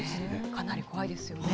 かなり怖いですよね。